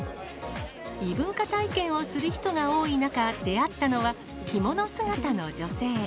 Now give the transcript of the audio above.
異文化体験をする人が多い中、出会ったのは着物姿の女性。